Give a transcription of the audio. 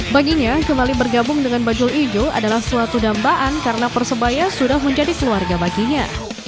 baginya kembali bergabung dengan bajul ijo adalah suatu dambaan karena persebaya sudah menjadi keluarga baginya